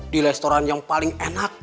di restoran yang paling enak